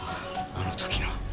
あの時の。